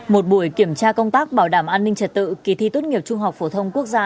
một buổi kiểm tra công tác bảo đảm an ninh trật tự kỳ thi tốt nghiệp trung học phổ thông quốc gia